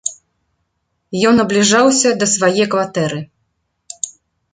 Ён набліжаўся да свае кватэры.